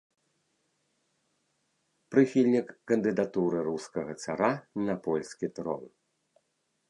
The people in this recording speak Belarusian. Прыхільнік кандыдатуры рускага цара на польскі трон.